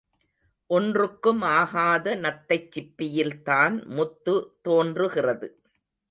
ஒன்றுக்கும் ஆகாத நத்தைச் சிப்பியில்தான் முத்து தோன்றுகிறது.